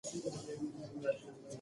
که هڅه وي نو ناکامي نه راځي.